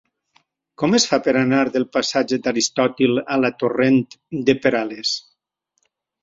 Com es fa per anar del passatge d'Aristòtil a la torrent de Perales?